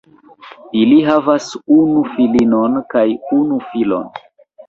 Ili havas unu filinon kaj unu filon.